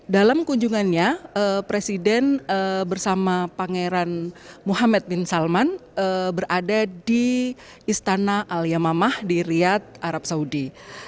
dalam kunjungannya presiden bersama pangeran muhammad bin salman berada di istana al yamamah di riyad arab saudi